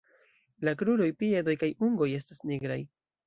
La kruroj, piedoj kaj ungoj estas nigraj.